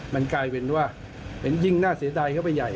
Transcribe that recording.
มันกลายเป็นว่ามันยิ่งน่าเสียดายเข้าไปใหญ่